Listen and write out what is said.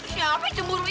siapa yang cemburu